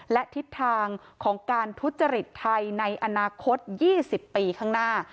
และทิศทางของการทุจริตไทยในอนาคต๒๐ปีข้างหน้า